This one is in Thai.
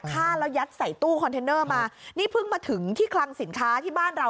ฆ่าแล้วยัดใส่ตู้คอนเทนเนอร์มานี่เพิ่งมาถึงที่คลังสินค้าที่บ้านเรา